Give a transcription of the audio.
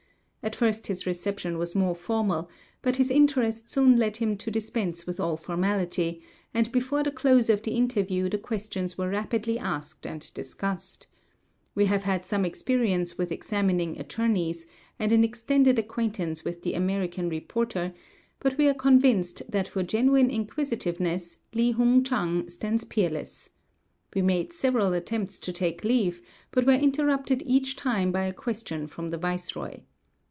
At first his reception was more formal, but his interest soon led him to dispense with all formality, and before the close of the interview the questions were rapidly asked and discussed. We have had some experience with examining attorneys, and an extended acquaintance with the American reporter; but we are convinced that for genuine inquisitiveness VI 209 Li Hung Chang stands peerless. We made several attempts to take leave, but were interrupted each time by a question from the viceroy.